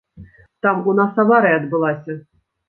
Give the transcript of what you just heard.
Там у нас аварыя адбылася.